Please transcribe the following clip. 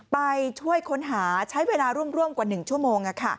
ไปช่วยค้นหาใช้เวลาร่วมกว่า๑ชั่วโมง